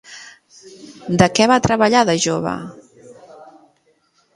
De què va treballar de jove?